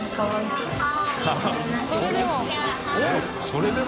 それでも。